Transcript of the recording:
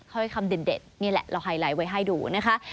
ค่อยคำเด็ดนี่แหละเราไฮไลท์ไว้ให้ดูนะคะ